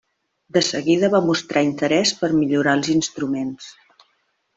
De seguida va mostrar interès per millorar els instruments.